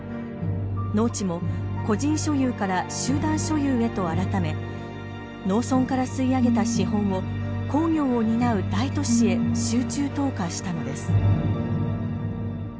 農地も個人所有から集団所有へと改め農村から吸い上げた資本を工業を担う大都市へ集中投下したのです。